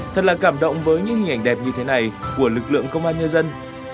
thật là cảm động với những hình ảnh đẹp như thế này của lực lượng công an nhân dân